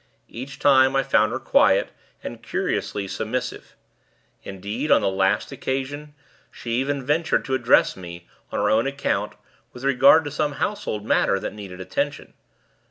Each time, I found her quiet, and curiously submissive. Indeed, on the last occasion, she even ventured to address me, on her own account, with regard to some household matter that needed attention.